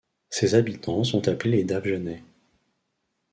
Ses habitants sont appelés les Davejeannais.